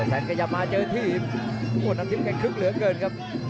แสนสะยำมาเจอทีมพวกน้ำทิพย์กันคึกเหลือเกิน